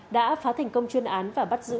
đã phá thành công chuyên án và bắt giữ